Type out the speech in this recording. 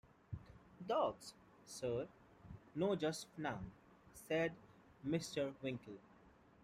Dogs, Sir?’ ‘Not just now,’ said Mr. Winkle.